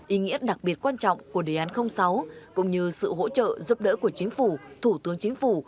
ý nghĩa đặc biệt quan trọng của đề án sáu cũng như sự hỗ trợ giúp đỡ của chính phủ thủ tướng chính phủ